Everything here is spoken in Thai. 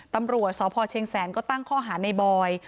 ตำรวจสพเชียงแสนก็ตั้งข้อหาในบอย